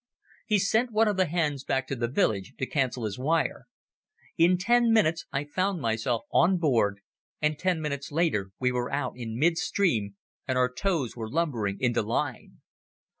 He sent one of the hands back to the village to cancel his wire. In ten minutes I found myself on board, and ten minutes later we were out in mid stream and our tows were lumbering into line.